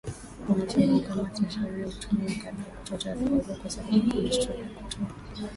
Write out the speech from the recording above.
Wanachama wa kamati ya sheria utumia saa kadhaa kutoa taarifa zao kwa sababu wameshurtishwa kutoa taarifa ya kweli